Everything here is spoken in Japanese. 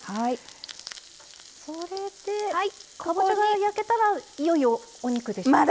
それでかぼちゃが焼けたらいよいよお肉でしょうか？